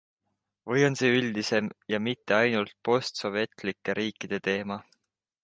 Või on see üldisem ja mitte ainult postsovetlike riikide teema?